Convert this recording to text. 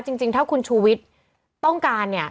จริงถ้าคุณชูวิทย์ต้องการเนี่ย